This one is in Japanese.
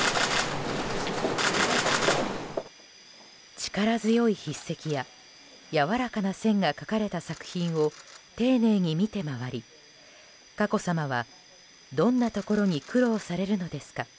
力強い筆跡ややわらかな線が書かれた作品を丁寧に見て回り佳子さまはどんなところに苦労されるのですか